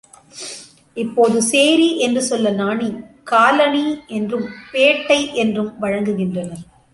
இப்போது சேரி என்று சொல்ல நாணி, காலணி என்றும் பேட்டை என்றும் வழங்குகின்றனர்.